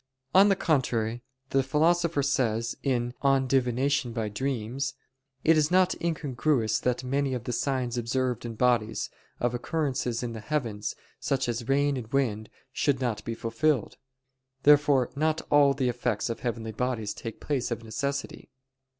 On the contrary, The Philosopher says (De Somn. et Vigil. [*De Divin. per Somn. ii]): "It is not incongruous that many of the signs observed in bodies, of occurrences in the heavens, such as rain and wind, should not be fulfilled." Therefore not all the effects of heavenly bodies take place of necessity.